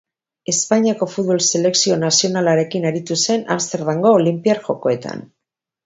Espainiako futbol selekzio nazionalarekin aritu zen Amsterdamgo Olinpiar Jokoetan.